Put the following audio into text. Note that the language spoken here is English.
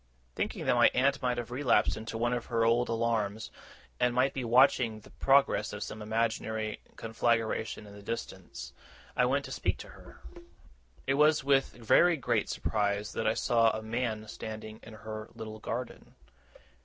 Thinking that my aunt might have relapsed into one of her old alarms, and might be watching the progress of some imaginary conflagration in the distance, I went to speak to her. It was with very great surprise that I saw a man standing in her little garden.